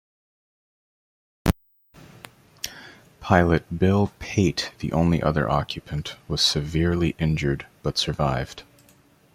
Pilot Bill Pate, the only other occupant, was severely injured but survived.